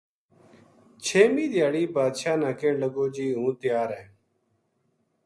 چھیمی دھیاڑی بادشاہ نا کہن لگو جی ہوں تیار ہے